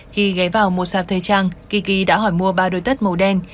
khi ghé vào một sạp thời trang tiki đã hỏi mua ba đôi tất màu đen